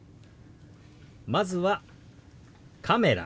まずは「カメラ」。